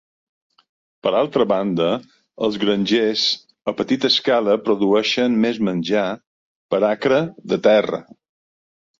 Per altra banda, els grangers a petita escala produeixen més menjar per acre de terra.